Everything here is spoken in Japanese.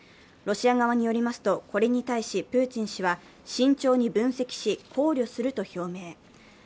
ロシア側によりますと、これに対しプーチン氏は、慎重に分析し、考慮すると表明。